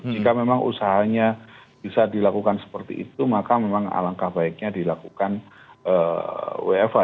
jika memang usahanya bisa dilakukan seperti itu maka memang alangkah baiknya dilakukan wfh